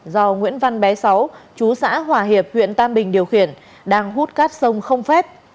do nguyễn văn bé sáu chú xã hòa hiệp huyện tam bình điều khiển đang hút cát sông không phép